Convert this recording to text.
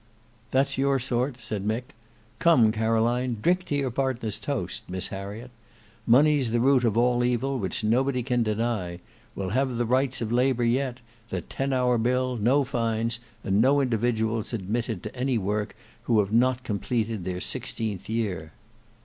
"That's your sort," said Mick. "Come, Caroline; drink to your partner's toast, Miss Harriet. Money's the root of all evil, which nobody can deny. We'll have the rights of labour yet; the ten hour bill, no fines, and no individuals admitted to any work who have not completed their sixteenth year."